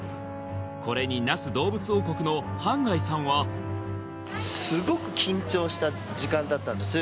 これに那須どうぶつ王国の半谷さんはすごく緊張した時間だったんです